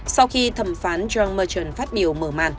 sau khi thẩm phán john merchon phát biểu mở màn